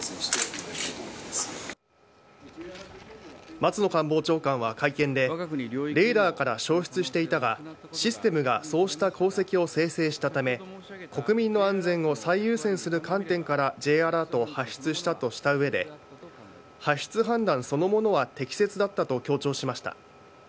松野官房長官は会見でレーダーから消失していたがシステムがそうした航跡を生成したため国民の安全を最優先する観点からＪアラートを発出したとした上で発出判断そのものは適切だったと強調しました。